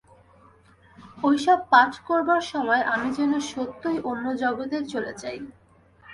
ঐ সব পাঠ করবার সময় আমি যেন সত্যই অন্য জগতে চলে যাই।